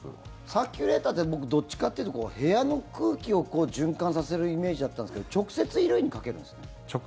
サーキュレーターって僕、どっちかって言うと部屋の空気を循環させるイメージだったんですけど直接ですね。